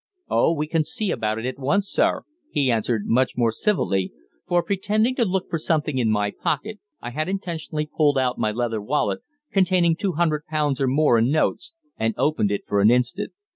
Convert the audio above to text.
"Oh, we can see about it at once, sir," he answered much more civilly, for, pretending to look for something in my pocket, I had intentionally pulled out my leather wallet, containing two hundred pounds or more in notes, and opened it for an instant.